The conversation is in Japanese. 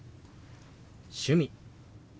「趣味」。